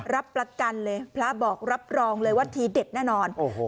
รับประกันเลยพระบอกรับรองเลยว่าทีเด็ดแน่นอน